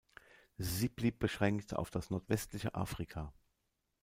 Sie blieb beschränkt auf das nordwestliche Afrika.